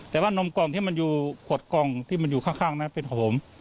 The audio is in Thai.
แต่ว่านมกล่องที่มันอยู่ขวดกล่องที่มันอยู่ข้างนั้นเป็นหอม